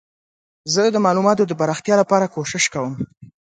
زه د معلوماتو د پراختیا لپاره کوښښ کوم.